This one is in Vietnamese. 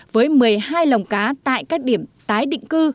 với một mươi hai lồng cá tại các điểm tái định cư